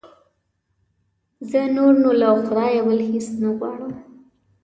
زه نور نو له خدایه بل هېڅ نه غواړم.